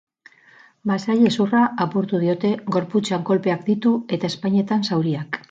Masailezurra apurtu diote, gorputzean kolpeak ditu eta ezpainetan zauriak.